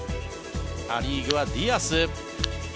ア・リーグはディアス。